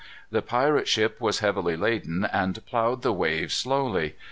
The pirate ship was heavily laden and ploughed the waves slowly.